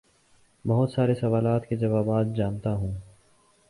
بہت سارے سوالات کے جوابات جانتا ہوں